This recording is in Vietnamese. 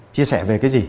chia sẻ về cái gì